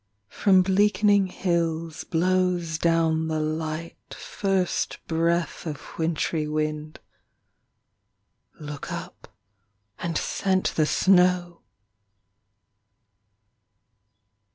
From bleakening hills Blows down the light, first breath Of wintry wind ... look up, and scent The snow!